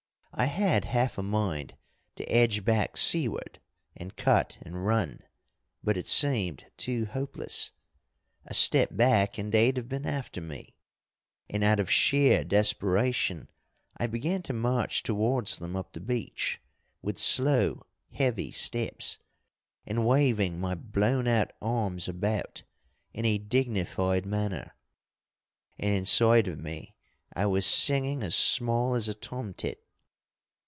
I had half a mind to edge back seaward and cut and run, but it seemed too hopeless. A step back and they'd have been after me. And out of sheer desperation I began to march towards them up the beach, with slow, heavy steps, and waving my blown out arms about, in a dignified manner. And inside of me I was singing as small as a tomtit.